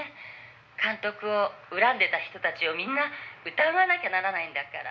「監督を恨んでた人たちをみんな疑わなきゃならないんだから」